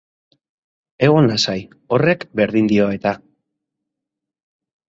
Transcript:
Egon lasai, horrek berdin dio eta.